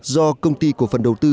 do công ty của phần đầu tư